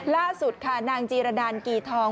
ล่าสุดค่ะนางจีรดานกีทอง